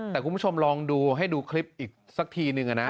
แต่คุณผู้ชมลองดูให้ดูคลิปอีกสักทีนึงนะ